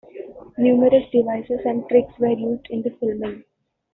Numerous devices and tricks were used in the filming.